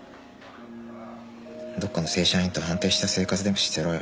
どっかの正社員と安定した生活でもしてろよ。